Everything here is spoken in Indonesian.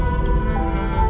dia bilang dirinya kebas